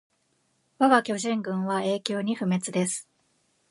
わが巨人軍は永久に不滅です